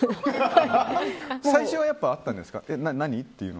最初はあったんですか？